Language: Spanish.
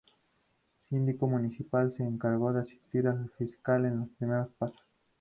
Síndico Municipal: es en cargo de asistir el fiscal en los primeros pasos.